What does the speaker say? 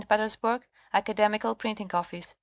Petersburg, Academical printing office, 1823.